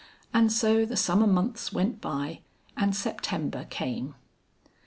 And so the summer months went by and September came.